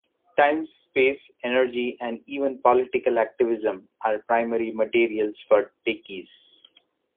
Time, space, energy and even political activism are primary materials for Takis.